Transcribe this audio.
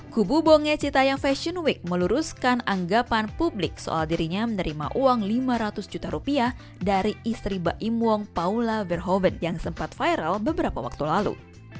kubu bonge citayam fashion week meluruskan anggapan publik soal dirinya menerima uang lima ratus juta rupiah dari istri baim wong paula verhoeven yang sempat viral beberapa waktu lalu